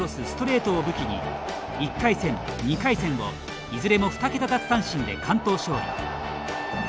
ストレートを武器に１回戦、２回戦をいずれも２桁奪三振で完投勝利。